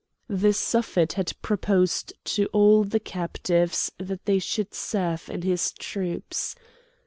The Suffet had proposed to all the captives that they should serve in his troops.